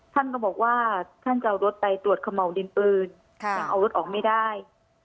ท่านก็บอกว่าท่านจะเอารถไปตรวจเขม่าวดินปืนยังเอารถออกไม่ได้